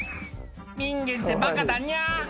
「人間ってバカだニャ」